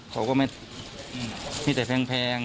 เขาก็ไม่มีแต่แพง